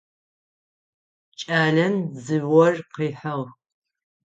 Кӏалэм дзыор къыхьыгъ.